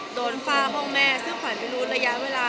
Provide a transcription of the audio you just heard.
โดนฝ้าห้องแม่ซึ่งขวัญไปดูระยะเวลา